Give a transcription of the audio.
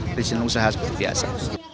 perizinan usaha seperti biasa